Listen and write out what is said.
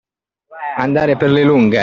Andare per le lunghe.